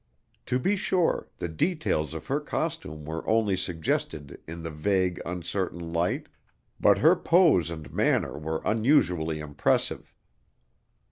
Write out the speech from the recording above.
To be sure, the details of her costume were only suggested in the vague, uncertain light, but her pose and manner were unusually impressive.